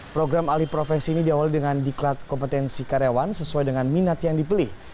program alih profesi ini diawali dengan diklat kompetensi karyawan sesuai dengan minat yang dipilih